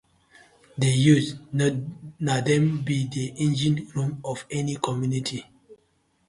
Di youths na dem bi di engine room of any community.